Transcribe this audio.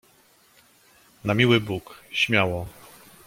"Na miły Bóg, śmiało!"